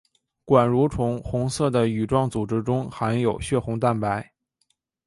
管蠕虫红色的羽状组织中含有血红蛋白。